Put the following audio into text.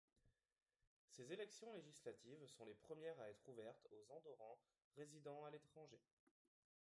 Ces élections législatives sont les premières à être ouvertes aux Andorrans résidants à l'étranger.